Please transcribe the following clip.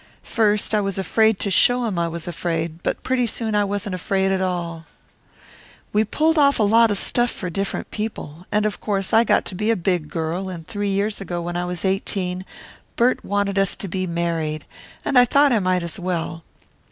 First I was afraid to show him I was afraid, but pretty soon I wasn't afraid at all. "We pulled off a lot of stuff for different people. And of course I got to be a big girl and three years ago when I was eighteen Bert wanted us to be married and I thought I might as well.